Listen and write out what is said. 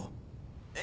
えっ？